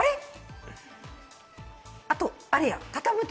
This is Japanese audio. あれ？